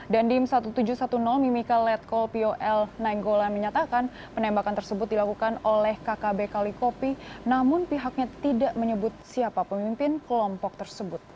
dan di m seribu tujuh ratus sepuluh mimika letkol pol nainggolan menyatakan penembakan tersebut dilakukan oleh kkb kalikopi namun pihaknya tidak menyebut siapa pemimpin kelompok tersebut